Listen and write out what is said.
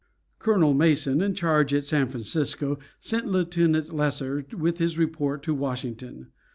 Colonel Mason, in charge at San Francisco, sent Lieutenant Loeser with his report to Washington.